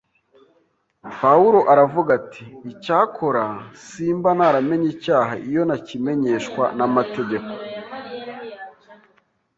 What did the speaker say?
Pawulo aravuga ati: “Icyakora simba naramenye icyaha iyo ntakimenyeshwa n’amategeko